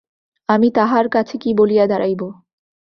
আমি তাহার কাছে কী বলিয়া দাঁড়াইব।